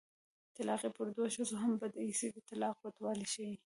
طلاقي د پردو ښځو هم بد ايسي د طلاق بدوالی ښيي